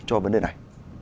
cho vấn đề này